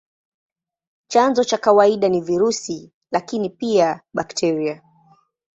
Chanzo cha kawaida ni virusi, lakini pia bakteria.